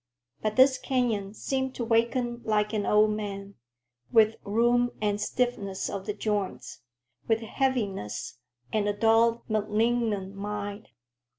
But this canyon seemed to waken like an old man, with rheum and stiffness of the joints, with heaviness, and a dull, malignant mind.